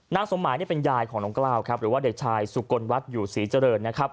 นางสมหมายเป็นยายของน้องกล้าวหรือว่าเด็กชายสุกลวัดอยู่สีเจริญ